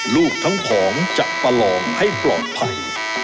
ลูกทั้งผองจะประลองให้ปลอดภัย